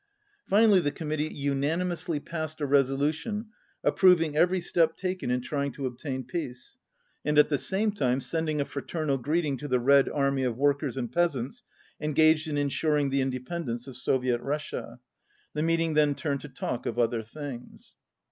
Finally, the Committee unanimously passed a resolution approving every step taken in trying to obtain peace, and at the same time "sending a fra ternal greeting to the Red Army of workers and peasants engaged in ensuring the independence of Soviet Russia." The meeting then turned to talk of other things.